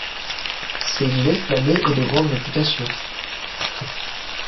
Ses grès flammés est de grande réputation.